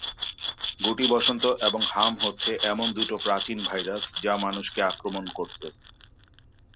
গুটি বসন্ত এবং হাম হচ্ছে এমন দুটো প্রাচীন ভাইরাস যা মানুষকে আক্রমণ করতো।